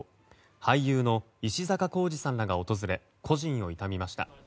俳優の石坂浩二さんらが訪れ故人を悼みました。